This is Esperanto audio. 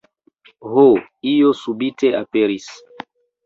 Ho, io subite aperis!